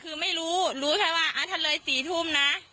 คือไม่รู้รู้แค่ว่าถ้าเริ่ม๔ทุ่ม